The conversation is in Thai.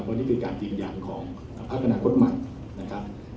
เพราะนี่คือการยืนยันของพักอนาคตใหม่นะครับ